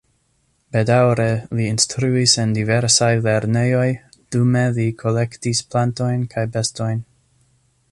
Baldaŭe li instruis en diversaj lernejoj, dume li kolektis plantojn kaj bestojn.